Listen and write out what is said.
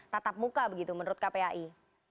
tatap muka begitu menurut kpai